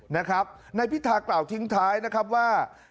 นะครับนายพิทาเกล่าทิ้งท้ายนะครับว่า